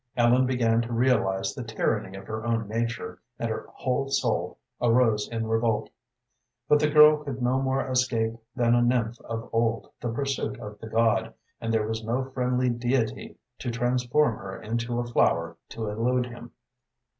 Ellen began to realize the tyranny of her own nature, and her whole soul arose in revolt. But the girl could no more escape than a nymph of old the pursuit of the god, and there was no friendly deity to transform her into a flower to elude him.